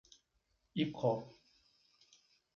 Icó